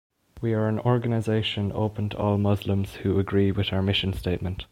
We are an organization open to all Muslims who agree with our mission statement.